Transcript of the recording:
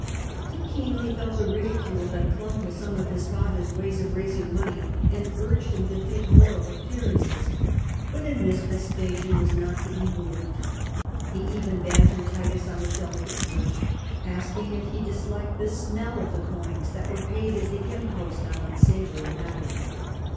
He keenly felt the ridicule that clung to some of his father's ways of raising money, and urged him to think more of appear ances; but in this Vespasian was not to be moved A.D. 79 8i Titus. He even bantered Titus on his delicate nerves, asking if he disliked the smell of the coins that were paid as the impost on unsavoury matter.